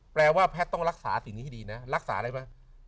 แปลว่าแพทย์ต้องรักษาสิ่งนี้ให้ดีนะรักษาอะไรไหม